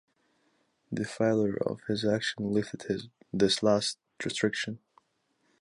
The failure of his action lifted this last restriction.